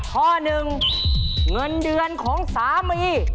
ข้อหนึ่งเงินเดือนของสามี